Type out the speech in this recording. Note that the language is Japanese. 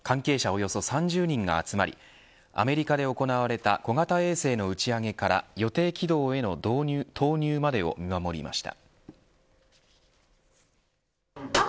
およそ３０人が集まりアメリカで行われた小型衛星の打ち上げから予定軌道への投入までを見守りました。